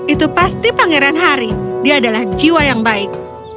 itu pasti pangeran harry dia adalah jiwa yang baik